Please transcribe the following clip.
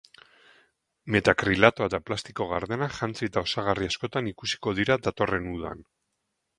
Metakrilatoa eta plastiko gardena jantzi eta osagarri askotan ikusiko dira datorren udan.